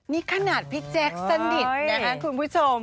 นี่ขนาดพี่แจ๊คสนิทนะคะคุณผู้ชม